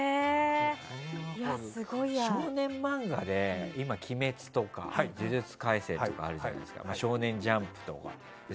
少年漫画で今、「鬼滅」とか「呪術廻戦」とかあるんですけど「少年ジャンプ」とかで。